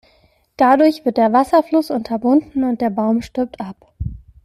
Dadurch wird der Wasserfluss unterbunden und der Baum stirbt ab.